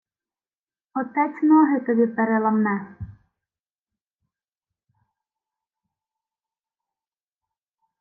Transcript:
— Отець ноги тобі переламне.